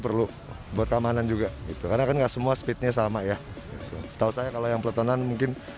perlu buat keamanan juga itu karena kan enggak semua speednya sama ya itu setahu saya kalau yang peletonan mungkin